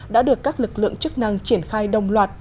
đã được các lực lượng chức năng triển khai đồng loạt